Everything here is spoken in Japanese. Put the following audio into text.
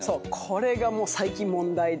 これが最近問題で。